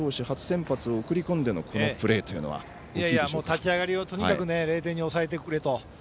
初先発を送り込んでのこのプレーというのは立ち上がりをとにかく０点に抑えてくれと。